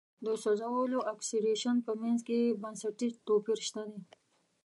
د سوځولو او اکسیدیشن په منځ کې بنسټیز توپیر شته دی.